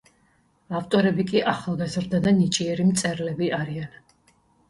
ავტორები კი ახალგაზრდა და ნიჭიერი მწერლები არიან.